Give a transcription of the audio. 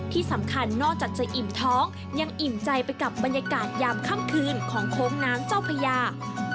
ที่สำคัญนอกจากจะอิ่มท้องยังอิ่มใจไปกับบรรยากาศยามค่ำคืนของโค้งน้ำเจ้าพญา